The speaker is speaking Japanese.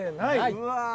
うわ。